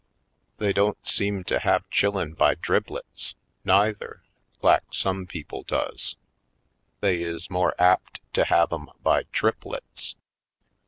They don't seem to have chillen by driblets, neither, lak some people does. They is more apt to have 'em by triplets.